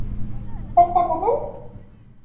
Ad t-amnen?